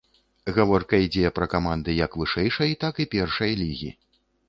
Гаворка ідзе пра каманды як вышэйшай, так і першай лігі.